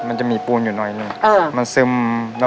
มันจะมีปูนอยู่หน่อยนึง